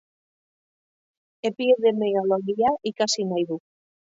Epidemiologia ikasi nahi du.